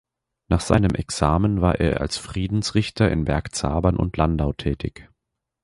Nach seinem Examen war er als Friedensrichter in Bergzabern und Landau tätig.